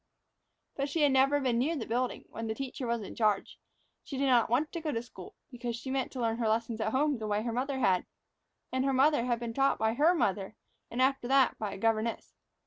But she had never been near the building when the teacher was in charge. She did not want to go to school, because she meant to learn her lessons at home the way her mother had, and her mother had been taught by her mother, and, after that, by a governess.